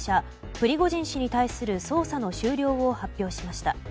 プリゴジン氏に対する捜査の終了を発表しました。